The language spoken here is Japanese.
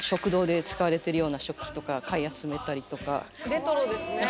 レトロですね。